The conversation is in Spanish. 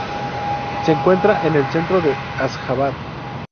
Se encuentra en el centro de Asjabad.